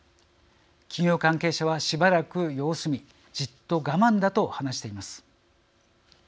企業関係者はしばらく様子見じっと我慢だと話しています。